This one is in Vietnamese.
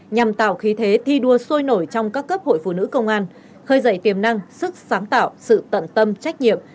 nhằm tạo khí thế thi đua sôi nổi trong các cấp hội phụ nữ công an khơi dậy tiềm năng sức sáng tạo sự tận tâm trách nhiệm